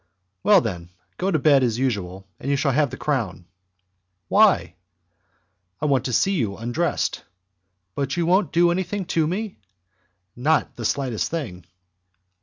"Well, then, go to bed as usual, and you shall have the crown." "Why?" "I want to see you undressed." "But you won't do anything to me?" "Not the slightest thing."